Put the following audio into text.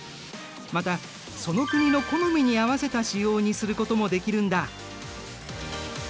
またその国の好みに合わせた仕様にすることもできるんだ。